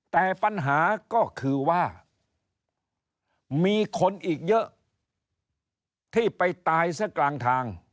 แต่ปัญหาก็คือว่ามีคนอีกเยอะที่ไปตายซะกลางทาง